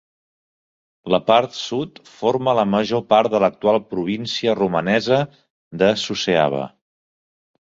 La part sud forma la major part de l'actual província romanesa de Suceava.